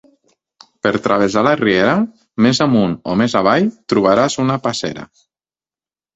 Per travessar la riera, més amunt o més avall trobaràs una passera.